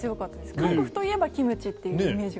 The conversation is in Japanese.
韓国といえばキムチというイメージが。